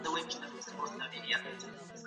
غچ اخیستل سوی دی.